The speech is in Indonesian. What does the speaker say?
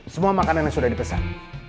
semua makanan yang sudah dipesan